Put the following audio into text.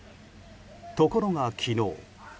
ところが昨日。